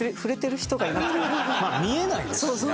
まあ見えないですしね